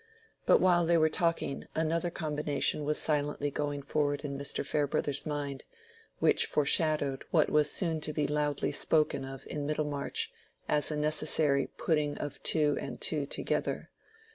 But while they were talking another combination was silently going forward in Mr. Farebrother's mind, which foreshadowed what was soon to be loudly spoken of in Middlemarch as a necessary "putting of two and two together."